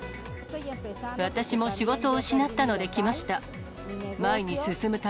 私も仕事を失ったので来ました。